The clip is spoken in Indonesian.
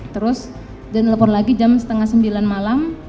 terus dia nelpon lagi jam setengah sembilan malam